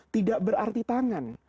tidak berarti tangan